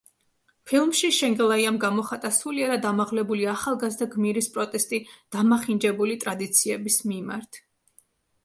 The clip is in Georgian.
ფილმში შენგელაიამ გამოხატა სულიერად ამაღლებული ახალგაზრდა გმირის პროტესტი დამახინჯებული ტრადიციების მიმართ.